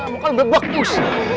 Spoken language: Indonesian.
maka lo berbakus